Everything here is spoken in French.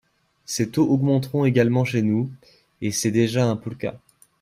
Ces taux augmenteront également chez nous, et c’est déjà un peu le cas.